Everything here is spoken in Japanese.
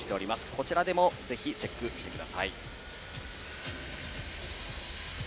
こちらでもぜひチェックしてください。